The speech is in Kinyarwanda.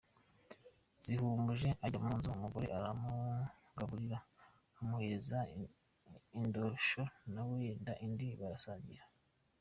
Zihumuje ajya mu nzu, umugore aramugaburira; amuhereza indosho na we yenda indi barasangira.